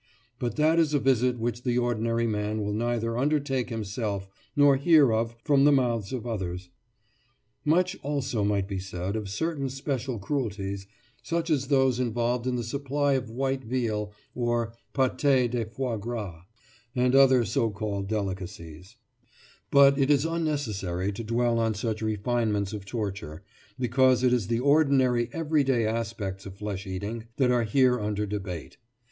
But that is a visit which the ordinary man will neither undertake himself nor hear of from the mouths of others. Footnote 12: December 29, 1898. Footnote 13: Fortnightly Review, November, 1895. Much also might be said of certain special cruelties, such as those involved in the supply of white veal or pâté de foie gras, and other so called delicacies; but it is unnecessary to dwell on such refinements of torture, because it is the ordinary every day aspects of flesh eating that are here under debate.